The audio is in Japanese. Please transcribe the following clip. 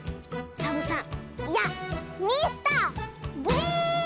サボさんいやミスターグリーン！